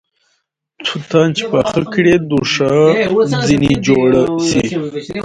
توتان چې پاخه کړې دوښا ځنې جوړه سې